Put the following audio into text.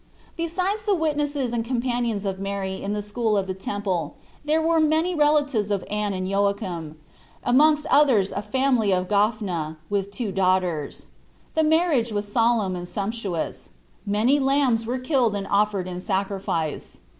Besides the witnesses and companions of Mary in the School of the Temple, there were many relatives of Anne and Joachim, and amongst others a family of Gophna, with two daughters. The marriage was solemn and sumptuous. Many lambs were killed and offered in sacrifice.